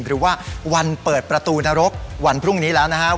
หรือว่าวันเปิดประตูนรกวันพรุ่งนี้แล้วนะครับ